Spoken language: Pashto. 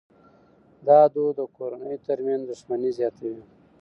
دا دود د کورنیو ترمنځ دښمني زیاتوي.